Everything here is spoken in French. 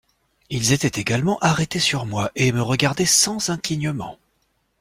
Ils étaient également arrêtés sur moi, et me regardaient sans un clignement.